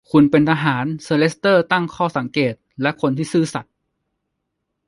คุณเป็นทหาร เซอร์เลสเตอร์ตั้งข้อสังเกต ‘’และคนที่ซื่อสัตย์’’